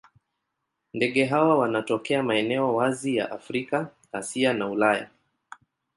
Ndege hawa wanatokea maeneo wazi wa Afrika, Asia na Ulaya.